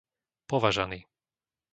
Považany